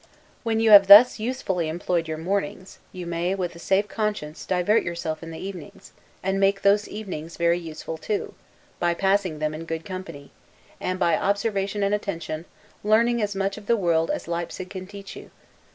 When you have thus usefully employed your mornings, you may, with a safe conscience, divert yourself in the evenings, and make those evenings very useful too, by passing them in good company, and, by observation and attention, learning as much of the world as Leipsig can teach you.